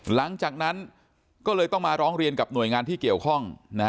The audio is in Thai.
หลังจากนั้นก็เลยต้องมาร้องเรียนกับหน่วยงานที่เกี่ยวข้อง